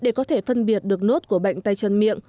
các bệnh nhân có thể phân biệt được nút của bệnh tay chân miệng